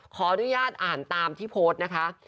ขออนุญาตอ่านตามที่โพสต์นะคะ